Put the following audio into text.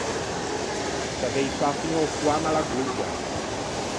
Savei fâ fiña o foamme à l’agoggia.